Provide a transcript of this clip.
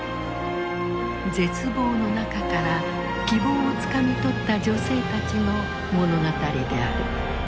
絶望の中から希望をつかみ取った女性たちの物語である。